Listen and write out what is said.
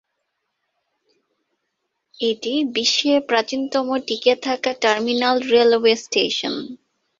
এটি বিশ্বের প্রাচীনতম টিকে থাকা টার্মিনাল রেলওয়ে স্টেশন।